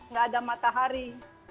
nggak ada matahari